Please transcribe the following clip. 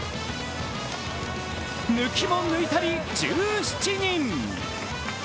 抜きも抜いたり、１７人。